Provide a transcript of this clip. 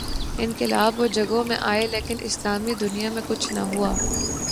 انقلاب اور جگہوں میں آئے لیکن اسلامی دنیا میں کچھ نہ ہوا۔